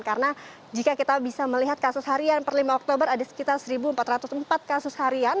karena jika kita bisa melihat kasus harian per lima oktober ada sekitar satu empat ratus empat kasus harian